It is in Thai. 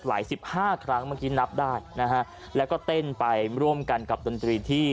สิบห้าครั้งเมื่อกี้นับได้นะฮะแล้วก็เต้นไปร่วมกันกับดนตรีที่